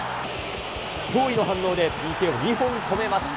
驚異の反応でＰＫを２本止めました。